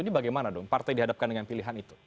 ini bagaimana dong partai dihadapkan dengan pilihan itu